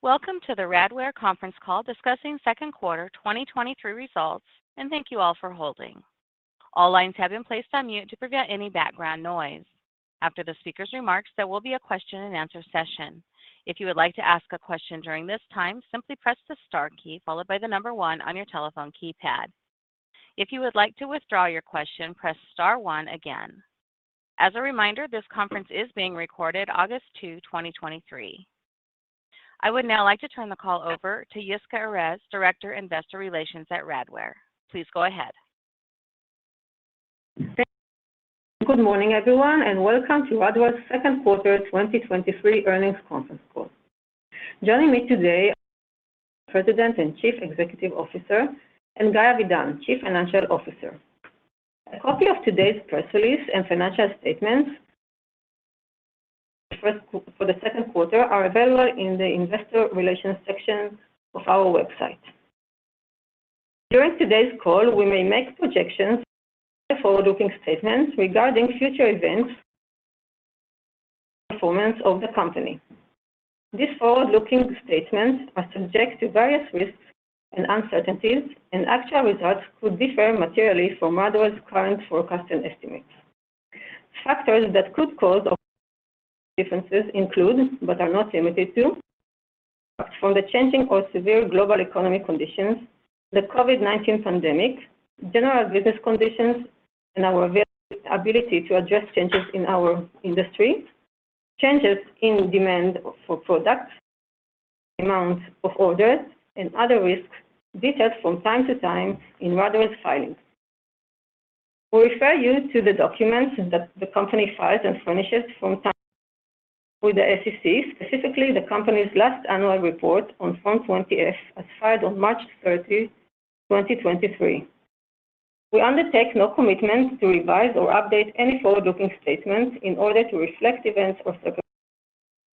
Welcome to the Radware conference call discussing second quarter 2023 results, and thank you all for holding. All lines have been placed on mute to prevent any background noise. After the speaker's remarks, there will be a question and answer session. If you would like to ask a question during this time, simply press the star key followed by 1 on your telephone keypad. If you would like to withdraw your question, press star one again. As a reminder, this conference is being recorded August 2, 2023. I would now like to turn the call over to Yisca Erez, Director, Investor Relations at Radware. Please go ahead. Good morning, everyone, and welcome to Radware's second quarter 2023 earnings conference call. Joining me today, President and Chief Executive Officer, and Guy Avidan, Chief Financial Officer. A copy of today's press release and financial statements for the second quarter are available in the investor relations section of our website. During today's call, we may make projections or forward-looking statements regarding future events, performance of the company. These forward-looking statements are subject to various risks and uncertainties, and actual results could differ materially from Radware's current forecast and estimates. Factors that could cause differences include, but are not limited to, the changing or severe global economic conditions, the COVID-19 pandemic, general business conditions, and our ability to address changes in our industry, changes in demand for products, amounts of orders, and other risks detailed from time to time in Radware's filings. We refer you to the documents that the company files and furnishes from time with the SEC, specifically the company's last annual report on Form 20-F, as filed on March 30, 2023. We undertake no commitment to revise or update any forward-looking statements in order to reflect events or circumstances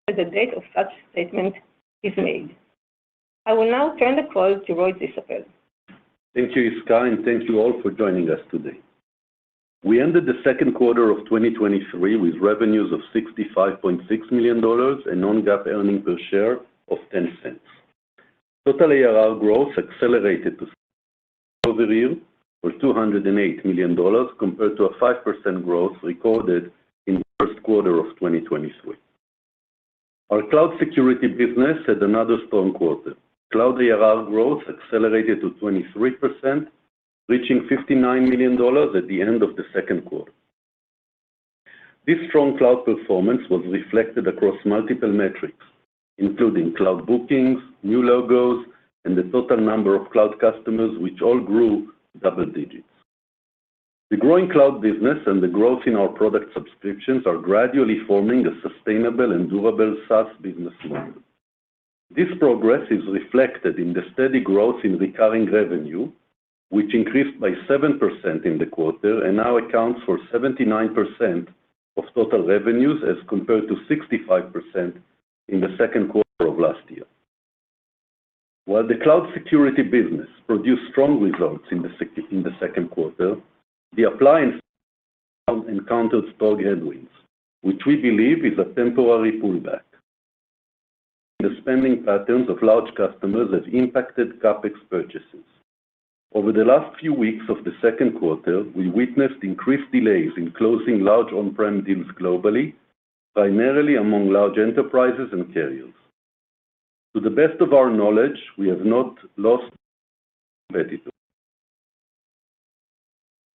after the date of such statement is made. I will now turn the call to Roy Zisapel. Thank you, Yisca, thank you all for joining us today. We ended the second quarter of 2023 with revenues of $65.6 million and non-GAAP earnings per share of $0.10. Total ARR growth accelerated to over a year for $208 million, compared to a 5% growth recorded in the first quarter of 2023. Our cloud security business had another strong quarter. Cloud ARR growth accelerated to 23%, reaching $59 million at the end of the second quarter. This strong cloud performance was reflected across multiple metrics, including cloud bookings, new logos, and the total number of cloud customers, which all grew double digits. The growing cloud business and the growth in our product subscriptions are gradually forming a sustainable and durable SaaS business model. This progress is reflected in the steady growth in recurring revenue, which increased by 7% in the quarter and now accounts for 79% of total revenues, as compared to 65% in the second quarter of last year. While the cloud security business produced strong results in the second quarter, the appliance encounters strong headwinds, which we believe is a temporary pullback. The spending patterns of large customers have impacted CapEx purchases. Over the last few weeks of the second quarter, we witnessed increased delays in closing large on-prem deals globally, primarily among large enterprises and carriers. To the best of our knowledge, we have not lost competitor,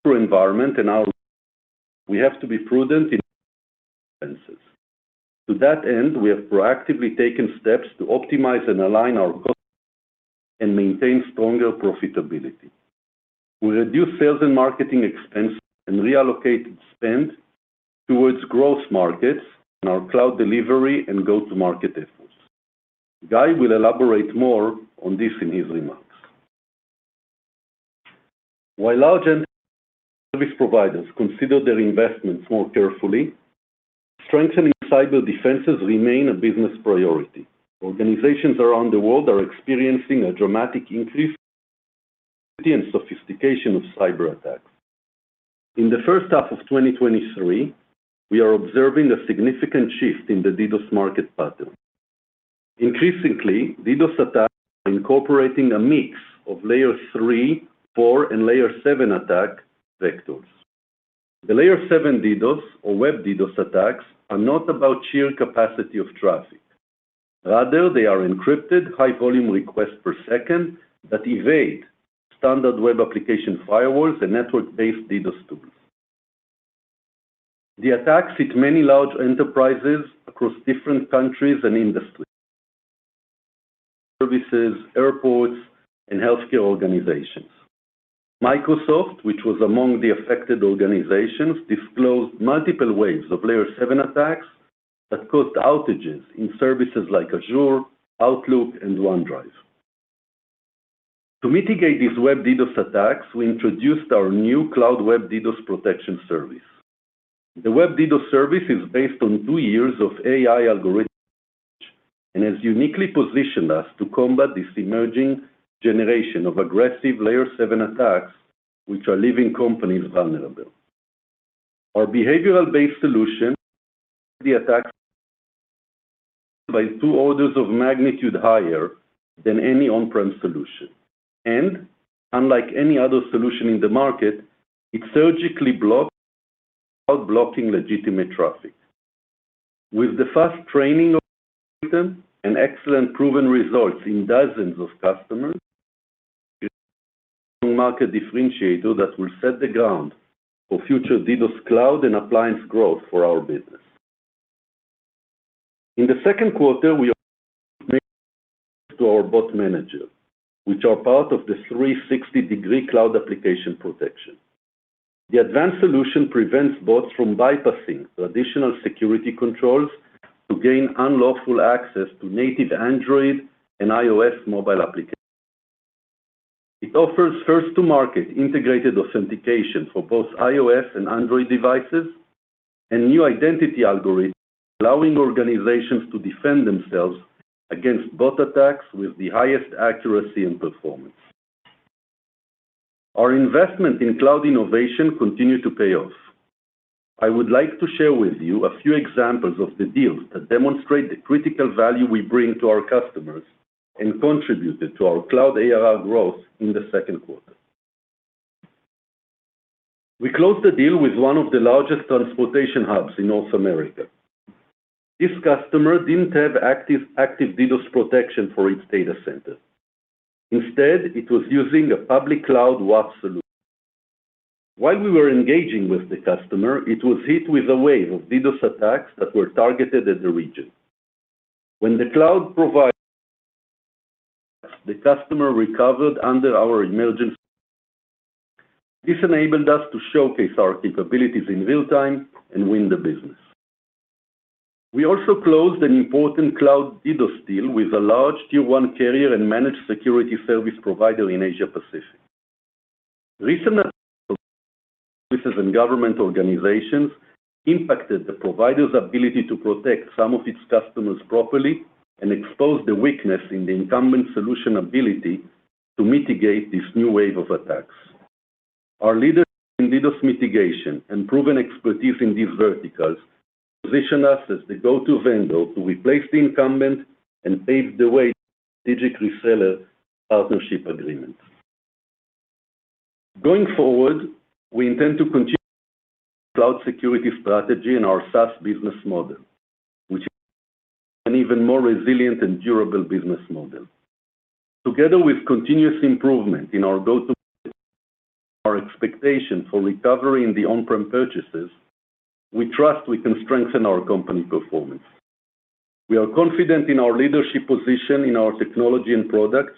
environment, and now we have to be prudent in expenses. To that end, we have proactively taken steps to optimize and align our goals and maintain stronger profitability. We reduced sales and marketing expenses and reallocated spend towards growth markets and our cloud delivery and go-to-market efforts. Guy will elaborate more on this in his remarks. While large and service providers consider their investments more carefully, strengthening cyber defenses remain a business priority. Organizations around the world are experiencing a dramatic increase in sophistication of cyberattacks. In the first half of 2023, we are observing a significant shift in the DDoS market pattern. Increasingly, DDoS attacks are incorporating a mix of Layer 3, 4, and Layer 7 attack vectors. The Layer 7 DDoS or Web DDoS attacks are not about sheer capacity of traffic. Rather, they are encrypted, high volume requests per second that evade standard Web Application Firewalls and network-based DDoS tools. The attacks hit many large enterprises across different countries and industries. Services, airports, and healthcare organizations. Microsoft, which was among the affected organizations, disclosed multiple waves of Layer 7 attacks that caused outages in services like Azure, Outlook, and OneDrive. To mitigate these Web DDoS attacks, we introduced our new Cloud Web DDoS Protection service. The Web DDoS service is based on 2 years of AI algorithms, has uniquely positioned us to combat this emerging generation of aggressive Layer 7 attacks, which are leaving companies vulnerable.... Our behavioral-based solution, the attack by 2 orders of magnitude higher than any on-prem solution. Unlike any other solution in the market, it surgically blocks, blocking legitimate traffic. With the fast training of item and excellent proven results in dozens of customers, market differentiator that will set the ground for future DDoS cloud and appliance growth for our business. In the second quarter, we are to our Bot Manager, which are part of the 360-degree cloud application protection. The advanced solution prevents bots from bypassing traditional security controls to gain unlawful access to native Android and iOS mobile applications. It offers first-to-market integrated authentication for both iOS and Android devices, and new identity algorithms, allowing organizations to defend themselves against bot attacks with the highest accuracy and performance. Our investment in cloud innovation continue to pay off. I would like to share with you a few examples of the deals that demonstrate the critical value we bring to our customers and contributed to our Cloud ARR growth in the second quarter. We closed the deal with one of the largest transportation hubs in North America. This customer didn't have active, active DDoS protection for its data center. Instead, it was using a public cloud WAF solution. While we were engaging with the customer, it was hit with a wave of DDoS attacks that were targeted at the region. When the cloud provider, the customer recovered under our emergency. This enabled us to showcase our capabilities in real time and win the business. We also closed an important cloud DDoS deal with a large tier one carrier and managed security service provider in Asia Pacific. Recent services and government organizations impacted the provider's ability to protect some of its customers properly and exposed the weakness in the incumbent solution ability to mitigate this new wave of attacks. Our leaders in DDoS mitigation and proven expertise in these verticals position us as the go-to vendor to replace the incumbent and pave the way strategic reseller partnership agreement. Going forward, we intend to continue cloud security strategy and our SaaS business model, which an even more resilient and durable business model. Together with continuous improvement in our go-to, our expectation for recovery in the on-prem purchases, we trust we can strengthen our company performance. We are confident in our leadership position, in our technology and products,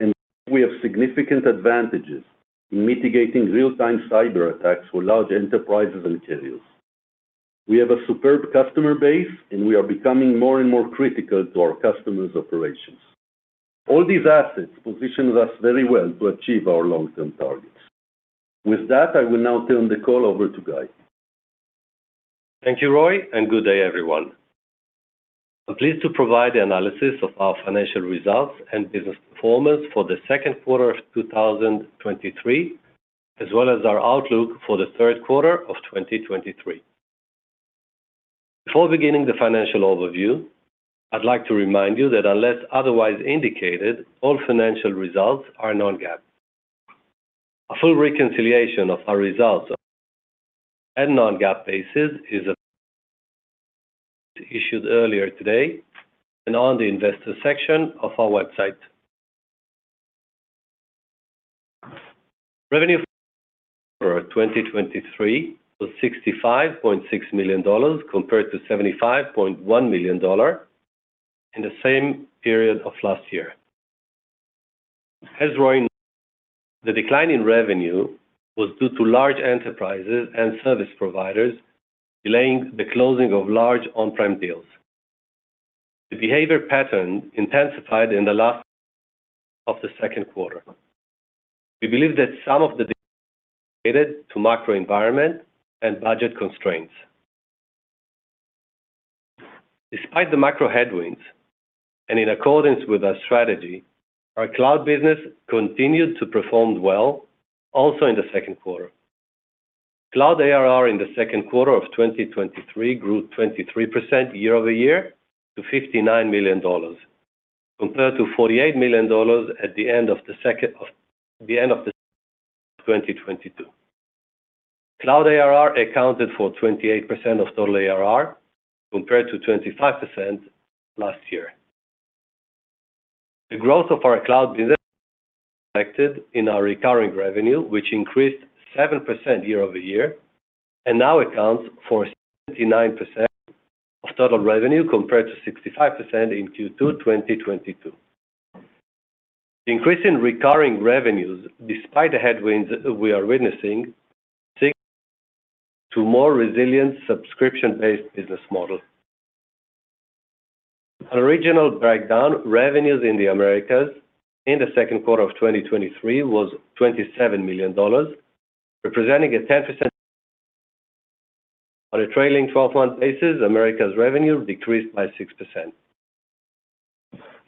and we have significant advantages in mitigating real-time cyberattacks for large enterprises and carriers. We have a superb customer base, and we are becoming more and more critical to our customers' operations. All these assets position us very well to achieve our long-term targets. With that, I will now turn the call over to Guy. Thank you, Roy, and good day, everyone. I'm pleased to provide the analysis of our financial results and business performance for the second quarter of 2023, as well as our outlook for the third quarter of 2023. Before beginning the financial overview, I'd like to remind you that unless otherwise indicated, all financial results are non-GAAP. A full reconciliation of our results and non-GAAP basis is issued earlier today and on the investor section of our website. Revenue for 2023 was $65.6 million, compared to $75.1 million in the same period of last year. As Roy, the decline in revenue was due to large enterprises and service providers delaying the closing of large on-prem deals. The behavior pattern intensified in the last of the second quarter. We believe that some of the data to macro environment and budget constraints. Despite the macro headwinds and in accordance with our strategy, our cloud business continued to perform well, also in the second quarter. Cloud ARR in the second quarter of 2023 grew 23% year-over-year to $59 million, compared to $48 million at the end of the second the end of 2022. Cloud ARR accounted for 28% of total ARR, compared to 25% last year. The growth of our cloud business reflected in our recurring revenue, which increased 7% year-over-year, and now accounts for 69% of total revenue, compared to 65% in Q2 2022. The increase in recurring revenues, despite the headwinds we are witnessing, to more resilient subscription-based business model. Our original breakdown, revenues in the Americas in the second quarter of 2023 was $27 million, representing a 10%. On a trailing twelve-month basis, Americas revenue decreased by 6%.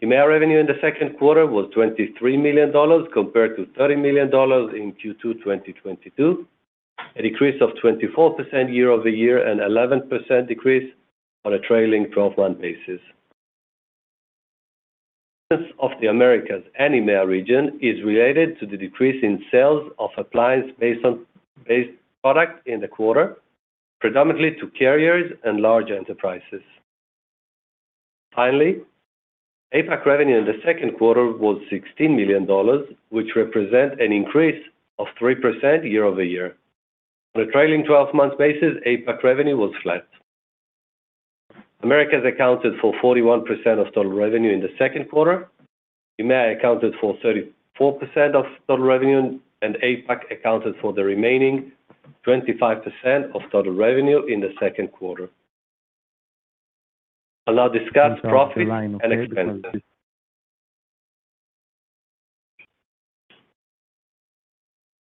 EMEA revenue in the second quarter was $23 million, compared to $30 million in Q2 2022. A decrease of 24% year-over-year and 11% decrease on a trailing twelve-month basis. Of the Americas and EMEA region is related to the decrease in sales of appliance based product in the quarter, predominantly to carriers and large enterprises. Finally, APAC revenue in the second quarter was $16 million, which represent an increase of 3% year-over-year. On a trailing twelve-month basis, APAC revenue was flat. Americas accounted for 41% of total revenue in the second quarter, EMEA accounted for 34% of total revenue, and APAC accounted for the remaining 25% of total revenue in the second quarter. I'll now discuss profit and expenses.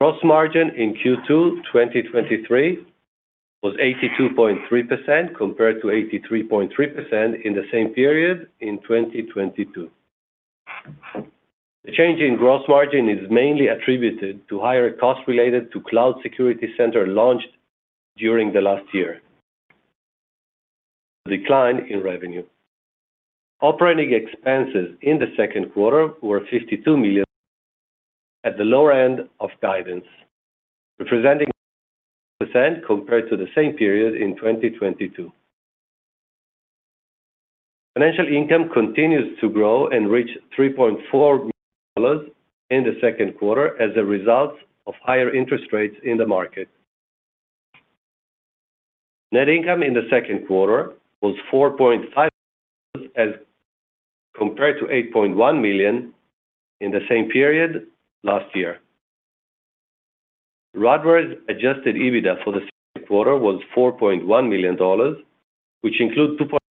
Gross margin in Q2 2023 was 82.3%, compared to 83.3% in the same period in 2022. The change in gross margin is mainly attributed to higher costs related to Cloud Security Center launched during the last year, decline in revenue. Operating expenses in the second quarter were $52 million, at the lower end of guidance, representing percent compared to the same period in 2022. Financial income continues to grow and reach $3.4 million in the second quarter as a result of higher interest rates in the market. Net income in the second quarter was $4.5 million, as compared to $8.1 million in the same period last year. Radware's adjusted EBITDA for the second quarter was $4.1 million, which includes two point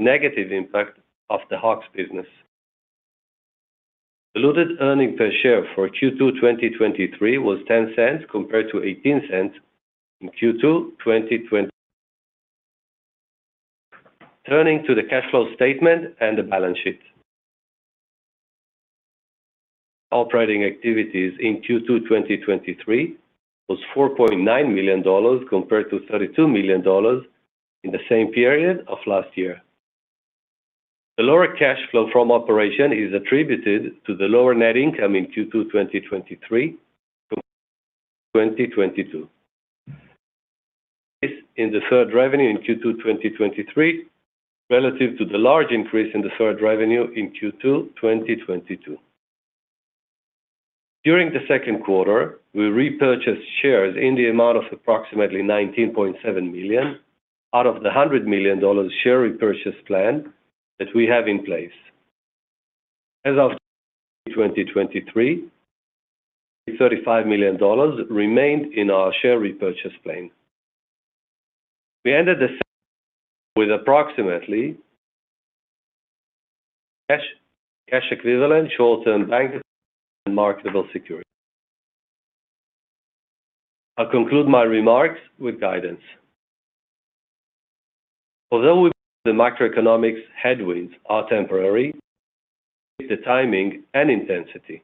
negative impact of the Hawks business. Diluted earnings per share for Q2 2023 was $0.10, compared to $0.18 in Q2 2020. Turning to the cash flow statement and the balance sheet. Operating activities in Q2 2023 was $4.9 million, compared to $32 million in the same period of last year. The lower cash flow from operation is attributed to the lower net income in Q2 2023, 2022. In the third revenue in Q2 2023, relative to the large increase in deferred revenue in Q2 2022. During the second quarter, we repurchased shares in the amount of approximately $19.7 million, out of the $100 million share repurchase plan that we have in place. As of 2023, $35 million remained in our share repurchase plan. We ended the with approximately cash, cash equivalent, short-term bank, and marketable securities. I'll conclude my remarks with guidance. Although the macroeconomics headwinds are temporary, the timing and intensity.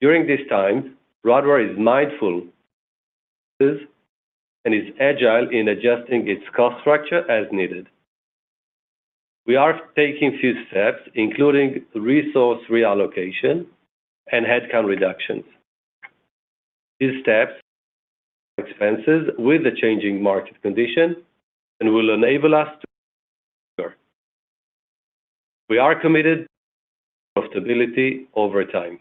During this time, Radware is mindful and is agile in adjusting its cost structure as needed. We are taking few steps, including resource reallocation and headcount reductions. These steps expenses with the changing market condition and will enable us to... We are committed to stability over time.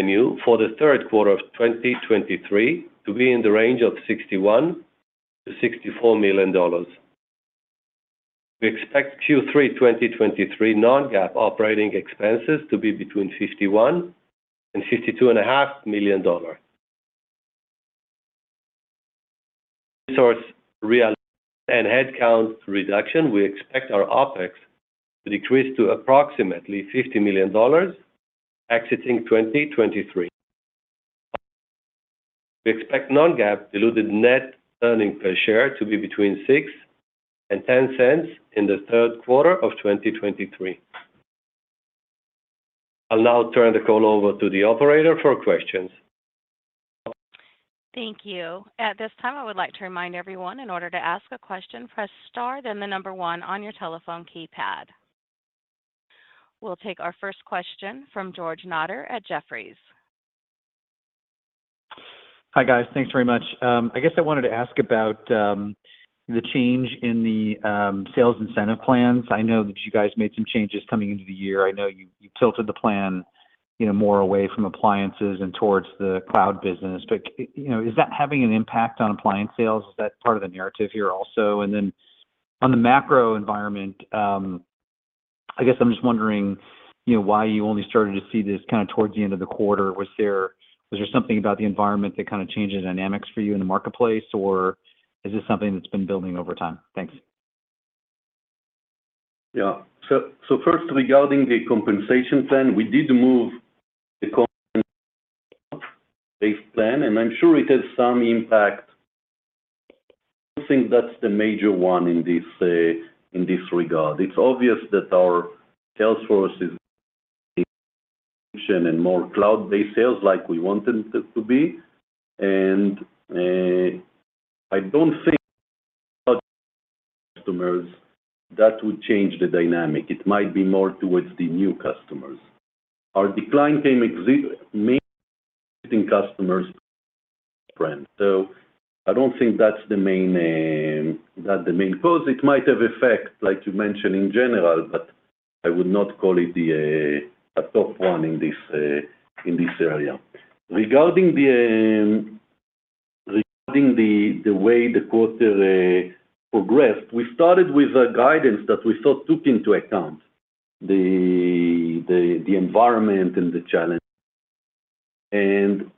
New for the third quarter of 2023, to be in the range of $61 million-$64 million. We expect Q3 2023 non-GAAP operating expenses to be between $51 million and $52.5 million. Source real and headcount reduction, we expect our OpEx to decrease to approximately $50 million, exiting 2023. We expect non-GAAP diluted net earnings per share to be between $0.06 and $0.10 in the third quarter of 2023. I'll now turn the call over to the operator for questions. Thank you. At this time, I would like to remind everyone, in order to ask a question, press star, then the number 1 on your telephone keypad. We'll take our first question from George Notter at Jefferies. Hi, guys. Thanks very much. I guess I wanted to ask about the change in the sales incentive plans. I know that you guys made some changes coming into the year. I know you, you tilted the plan, you know, more away from appliances and towards the Cloud business. You know, is that having an impact on appliance sales? Is that part of the narrative here also? On the macro environment, I guess I'm just wondering, you know, why you only started to see this kind of towards the end of the quarter. Was there something about the environment that kind of changed the dynamics for you in the marketplace, or is this something that's been building over time? Thanks. Yeah. First, regarding the compensation plan, we did move the plan, and I'm sure it has some impact. I don't think that's the major one in this regard. It's obvious that our sales force is, and more cloud-based sales like we want them to be. I don't think customers, that would change the dynamic. It might be more towards the new customers. Our decline came exis- main customers trend. I don't think that's the main, that's the main cause. It might have effect, like you mentioned in general, but I would not call it the, a top one in this area. Regarding the, regarding the way the quarter progressed, we started with a guidance that we thought took into account the, the, the environment and the challenge.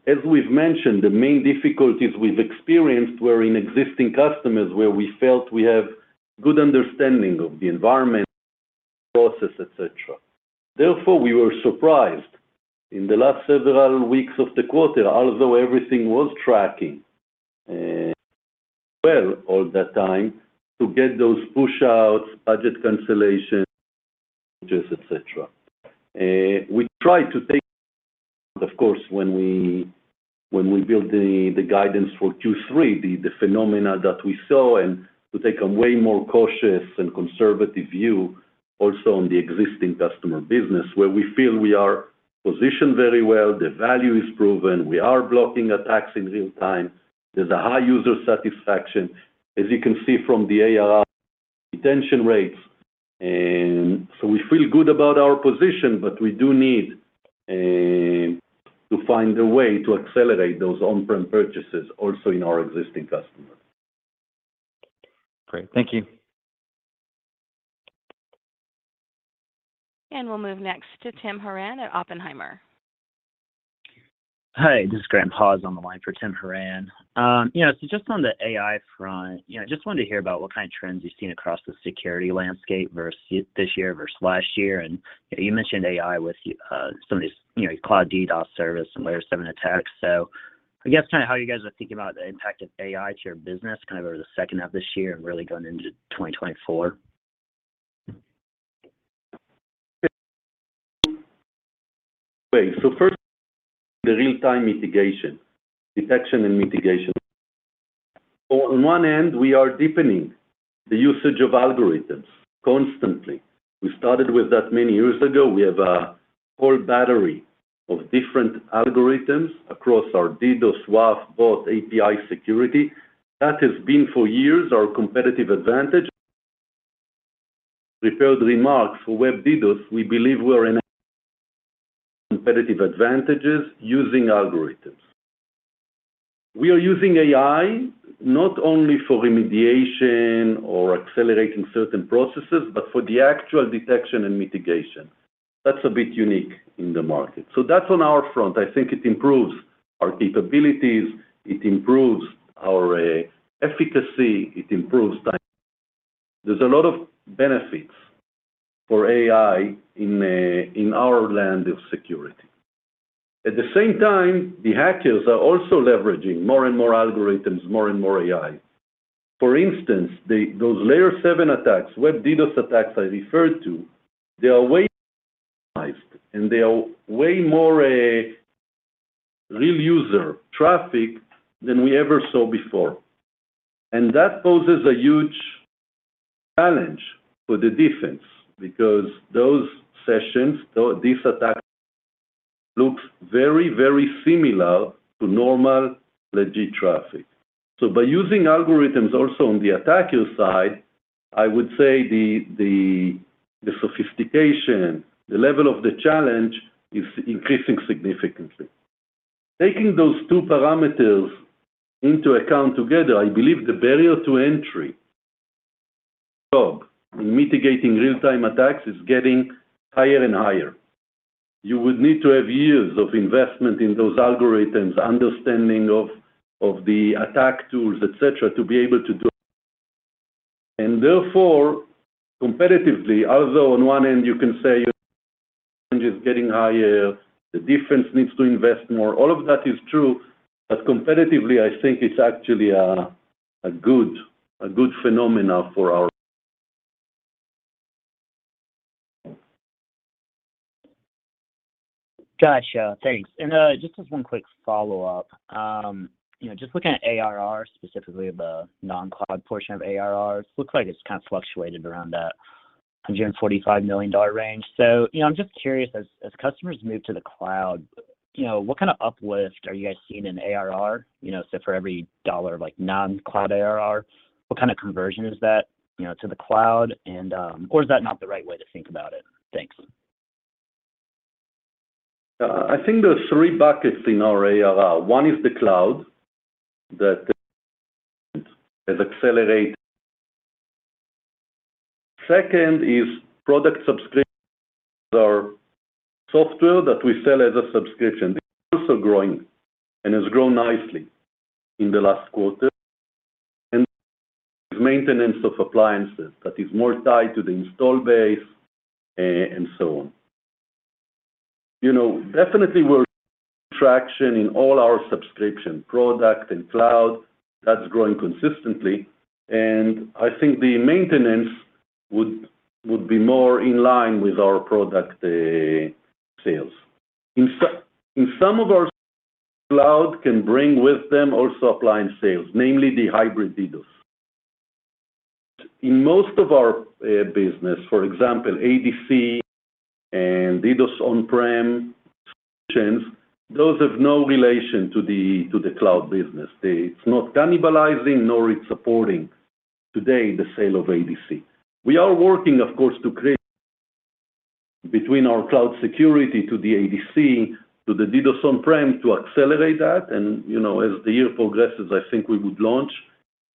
As we've mentioned, the main difficulties we've experienced were in existing customers, where we felt we have good understanding of the environment, process, et cetera. Therefore, we were surprised in the last several weeks of the quarter, although everything was tracking well all that time, to get those push outs, budget cancellations, purchases, et cetera. We tried to take, of course, when we, when we built the guidance for Q3, the phenomena that we saw, and to take a way more cautious and conservative view also on the existing customer business, where we feel we are positioned very well, the value is proven, we are blocking attacks in real time. There's a high user satisfaction, as you can see from the ARR retention rates. So we feel good about our position, but we do need to find a way to accelerate those on-prem purchases also in our existing customers. Great, thank you. We'll move next to Tim Horan at Oppenheimer. Hi, this is Graham Paus on the line for Timothy Horan. Yeah, just on the AI front, you know, I just wanted to hear about what kind of trends you've seen across the security landscape versus this year versus last year. You mentioned AI with, some of these, you know, cloud DDoS service and Layer 7 attacks. I guess kind of how you guys are thinking about the impact of AI to your business, kind of over the second half of this year and really going into 2024. First, the real-time mitigation, detection and mitigation. On one end, we are deepening the usage of algorithms constantly. We started with that many years ago. We have a whole battery of different algorithms across our DDoS, WAF, bot, API security. That has been, for years, our competitive advantage. Prepared remarks for Web DDoS, we believe we're in competitive advantages using algorithms. We are using AI, not only for remediation or accelerating certain processes, but for the actual detection and mitigation. That's a bit unique in the market. That's on our front. I think it improves our capabilities, it improves our efficacy, it improves time. There's a lot of benefits for AI in our land of security. At the same time, the hackers are also leveraging more and more algorithms, more and more AI. For instance, those Layer 7 attacks, Web DDoS attacks I referred to, they are way, and they are way more real user traffic than we ever saw before. That poses a huge challenge for the defense, because those sessions, though these attacks looks very, very similar to normal legit traffic. By using algorithms also on the attacker side, I would say the sophistication, the level of the challenge is increasing significantly. Taking those two parameters into account together, I believe the barrier to entry, so mitigating real-time attacks is getting higher and higher. You would need to have years of investment in those algorithms, understanding of the attack tools, et cetera, to be able to do. Therefore, competitively, although on one end, you can say is getting higher, the defense needs to invest more. All of that is true, but competitively, I think it's actually a, a good, a good phenomena for our... Gotcha. Thanks. just as one quick follow-up, you know, just looking at ARR, specifically the non-cloud portion of ARRs, looks like it's kind of fluctuated around that $145 million range. you know, I'm just curious, as, as customers move to the cloud, you know, what kind of uplift are you guys seeing in ARR? You know, so for every $1, like non-cloud ARR, what kind of conversion is that, you know, to the cloud? Is that not the right way to think about it? Thanks. I think there are 3 buckets in our ARR. 1 is the cloud, that has accelerated. 2 is product subscription. There are software that we sell as a subscription, also growing, and has grown nicely in the last quarter. Maintenance of appliances, that is more tied to the install base, and so on. You know, definitely we're traction in all our subscription product and cloud, that's growing consistently, and I think the maintenance would, would be more in line with our product sales. In some of our cloud can bring with them also appliance sales, namely the hybrid DDoS. In most of our business, for example, ADC and DDoS on-prem solutions, those have no relation to the, to the cloud business. It's not cannibalizing, nor it's supporting today, the sale of ADC. We are working, of course, to create between our cloud security to the ADC, to the DDoS on-prem, to accelerate that. You know, as the year progresses, I think we would launch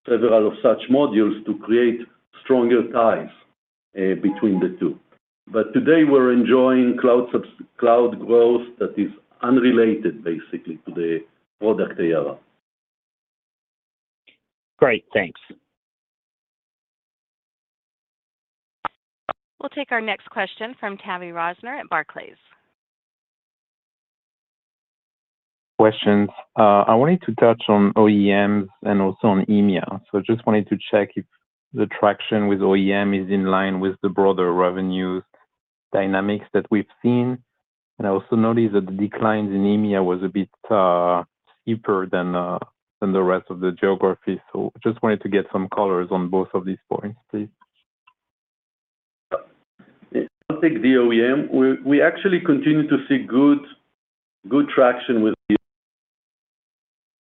several of such modules to create stronger ties between the two. Today, we're enjoying cloud growth that is unrelated, basically, to the product ARR. Great, thanks. We'll take our next question from Tavy Rosner at Barclays. Questions. I wanted to touch on OEMs and also on EMEA. Just wanted to check if the traction with OEM is in line with the broader revenues dynamics that we've seen. I also noticed that the declines in EMEA was a bit steeper than the rest of the geography. Just wanted to get some colors on both of these points, please. I'll take the OEM. We actually continue to see good, good traction with the,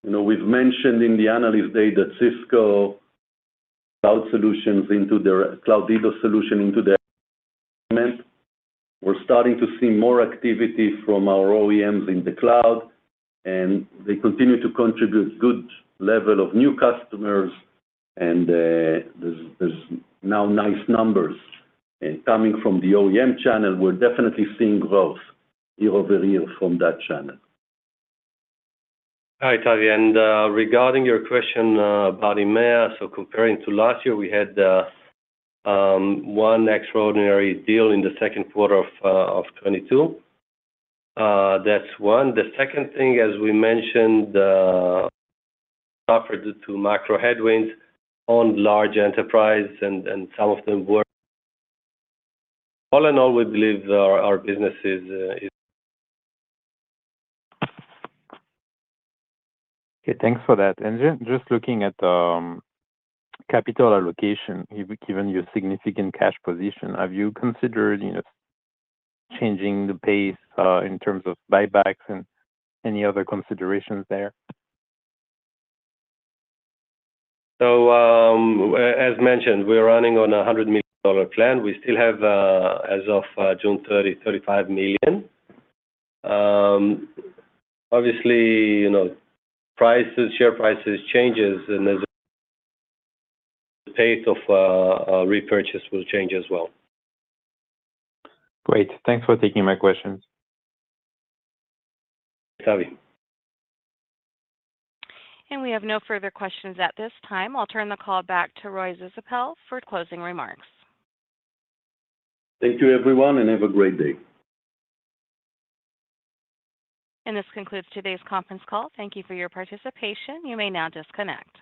you know, we've mentioned in the analyst day that Cisco cloud solutions cloud DDoS solution into theirment. We're starting to see more activities from our OEMs in the cloud, and they continue to contribute good level of new customers, and there's now nice numbers coming from the OEM channel. We're definitely seeing growth year-over-year from that channel. Hi, Tavi, regarding your question about EMEA. Comparing to last year, we had one extraordinary deal in the second quarter of 2022. That's one. The second thing, as we mentioned, suffered due to macro headwinds on large enterprise and, and some of them were... All in all, we believe our, our business is- Okay, thanks for that. Just looking at, capital allocation, given your significant cash position, have you considered, you know, changing the pace, in terms of buybacks and any other considerations there? As mentioned, we are running on a $100 million plan. We still have, as of June 30, $35 million. Obviously, you know, prices, share prices changes, and as the pace of repurchase will change as well. Great. Thanks for taking my questions. Tavi. We have no further questions at this time. I'll turn the call back to Roy Zisapel for closing remarks. Thank you, everyone, and have a great day. This concludes today's conference call. Thank you for your participation. You may now disconnect.